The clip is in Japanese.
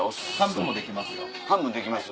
半分できます？